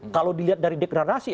kalau dilihat dari dekredasi